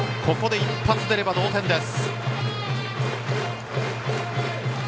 ここで一発出れば同点です。